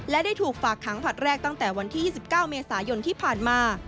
และได้ถูกฝากขังผลัดแรกตั้งแต่วันที่๒๙เมษายนที่ผ่านมา